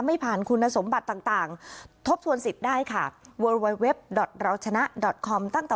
ไม่ผ่านคุณสมบัติต่าง